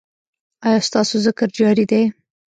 ایا ستاسو ذکر جاری دی؟